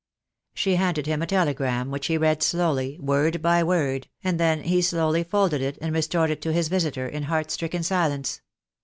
She handed him a telegram, which he read slowly, word by word, and then he slowly folded it and restored it to his visitor, in heart stricken silence.